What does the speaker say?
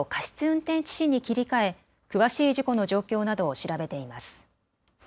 運転致死に切り替え詳しい事故の状況などを調べています。